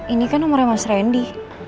ini kan umurnya mas randy